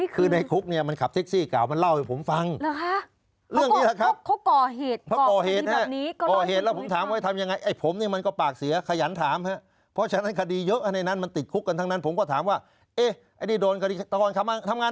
คือในคุกเนี่ยมันขับแท็กซี่เก่ามันเล่าให้ผมฟัง